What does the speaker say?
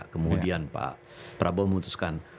kemudian pak prabowo memutuskan